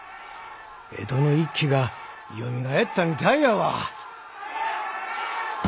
江戸の一揆がよみがえったみたいやわ！